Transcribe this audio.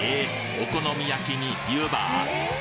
お好み焼きに湯葉？